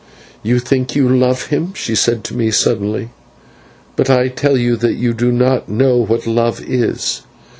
"You think you love him," she said to me suddenly, "but I tell you that you do not know what love is.